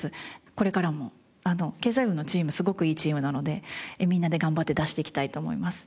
これからも経済部のチームすごくいいチームなのでみんなで頑張って出していきたいと思います。